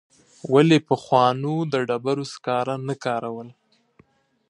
ولي پخوانو د ډبرو سکاره نه کارول؟